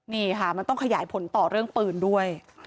นี่ค่ะมันต้องขยายผลต่อเรื่องปืนด้วย